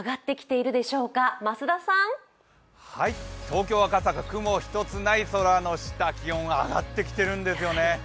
東京・赤坂、雲一つない空の下、気温が上がってきているんですよね。